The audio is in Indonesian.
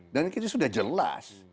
dan itu sudah jelas